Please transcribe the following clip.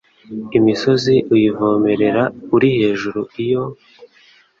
Imisozi uyivomerera uri hejuru iyo